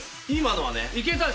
今のはね。